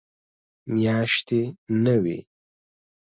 میاشتې نه وي.